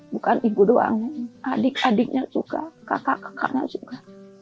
bukan ibu doang adik adiknya juga kakak kakaknya juga